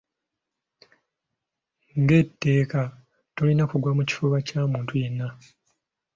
Ng’etteeka, tolina kugwa mu kifuba kya muntu yenna.